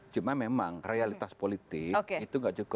cuma memang realitas politik itu gak cukup